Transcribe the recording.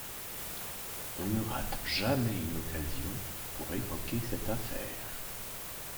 On ne rate jamais une occasion pour évoquer cette affaire.